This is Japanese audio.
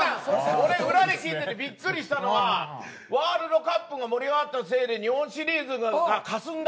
俺裏で聞いててびっくりしたのが「ワールドカップが盛り上がったせいで日本シリーズがかすんだ」。